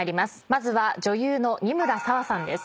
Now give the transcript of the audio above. まずは女優の仁村紗和さんです。